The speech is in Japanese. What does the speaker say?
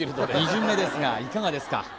２巡目ですがいかがですか？